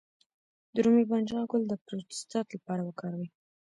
د رومي بانجان ګل د پروستات لپاره وکاروئ